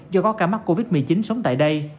do có ca mắc covid một mươi chín sống tại đây